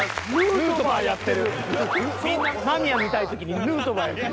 みんな間宮見たい時にヌートバーやってる。